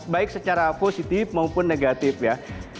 baik secara positif maupun negatif ya